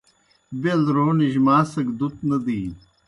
بیل رونِجیْ ماں سگہ دُت نہ دِینیْ